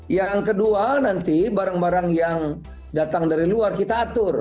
yang kedua nanti barang barang yang datang dari luar kita atur